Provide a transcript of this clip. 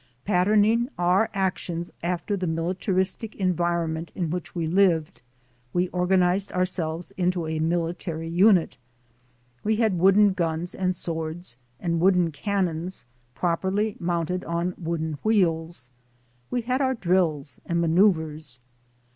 Pattern ing our actions after the militaristic environment in which we lived, we organized ourselves into a mil itary unit. We had wooden guns and swords, and wooden cannons properly mounted on wooden wheels. We had our drills and maneuvers.